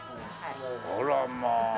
あらまあ。